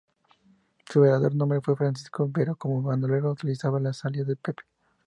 Su verdadero nombre fue Francisco, pero como bandolero utilizaba el alias de "Pepe".